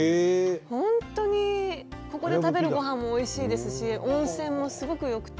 本当にここで食べるごはんもおいしいですし温泉もすごく良くて。